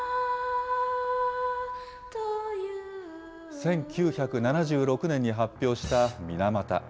１９７６年に発表したミナマタ。